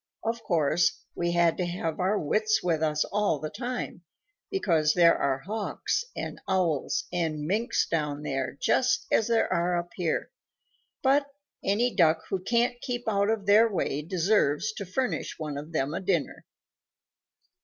Of course, we had to have our wits with us all the time, because there are Hawks and Owls and Minks down there just as there are up here, but any Duck who can't keep out of their way deserves to furnish one of them a dinner.